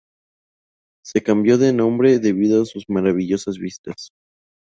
Se cambió de nombre debido a sus maravillosas vistas.